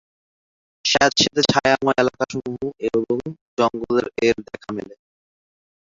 স্যাঁতসেঁতে ছায়াময় এলাকাসমূহ এবং জঙ্গলে এর দেখা মেলে।